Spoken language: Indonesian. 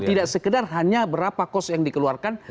tidak sekedar hanya berapa kos yang dikeluarkan